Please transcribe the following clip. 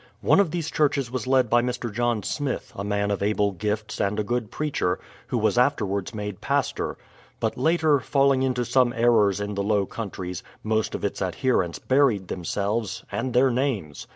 One of these churches was led by Mr. John Smith, a man of able gifts, and a good preacher, who was afterwards made pastor; but later, falling into some errors in the Low Countries, most of its adherents buried themselves, — and their names